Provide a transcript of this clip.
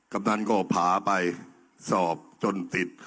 กำนันก็พาไปสอบจนติด